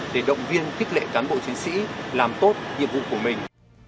để động viên kích lệ cán bộ chiến sĩ làm tốt nhiệm vụ của mình